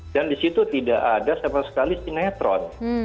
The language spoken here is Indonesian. dan disitu tidak ada sama sekali sinetron